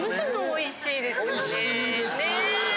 おいしいです。